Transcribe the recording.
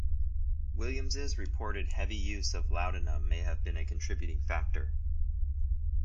Williams's reported heavy use of laudanum may have been a contributing factor.